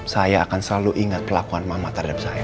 saya akan selalu ingat kelakuan mama terhadap saya